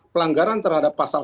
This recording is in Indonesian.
pelanggaran terhadap pasal satu